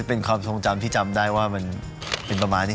เป็นความทรงจำที่จำได้ว่ามันเป็นประมาณนี้